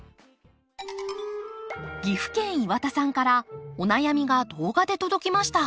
岐阜県岩田さんからお悩みが動画で届きました。